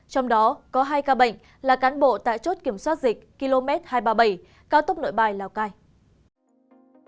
trong đó có hai ca bệnh là cán bộ tại chốt kiểm soát dịch km hai trăm ba mươi bảy cao tốc nội bài lào cai